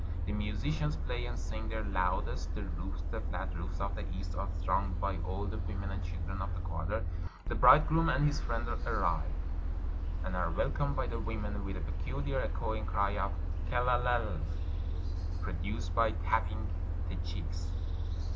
The musicians play and sing their loudest: the roofs (the flat roofs of the East) are thronged by all the women and children of the quarter. The bridegroom and his friends arrive, and are welcomed by the women with a pecuhar echoing cry of "Kel lei lei," produced by tapping the cheeks.